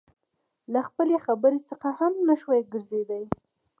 له خپلې خبرې څخه هم نشوى ګرځېدى.